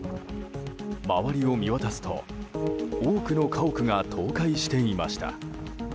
周りを見渡すと多くの家屋が倒壊していました。